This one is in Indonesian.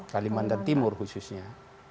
kalimantan timur khususnya